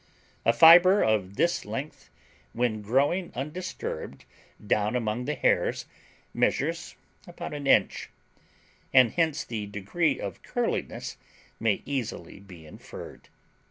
A fiber of this length, when growing undisturbed down among the hairs, measures about an inch; hence the degree of curliness may easily be inferred.